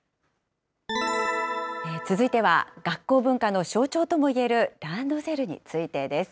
続いては、学校文化の象徴ともいえるランドセルについてです。